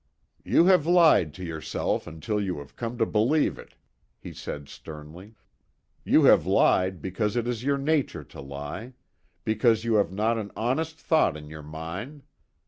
"You have lied to yourself until you have come to believe it," he said sternly. "You have lied because it is your nature to lie, because you have not an honest thought in your mind.